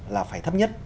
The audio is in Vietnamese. là phải thấp nhất